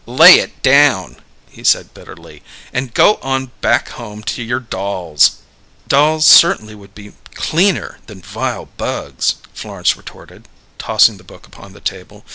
"Lay it down!" he said bitterly. "And go on back home to your dolls." "Dolls certainly would be cleaner than vile bugs," Florence retorted, tossing the book upon the table.